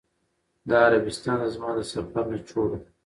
دا عربستان ته زما د سفر نچوړ و.